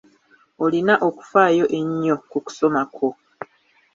Olina okufaayo ennyo ku kusoma kwo.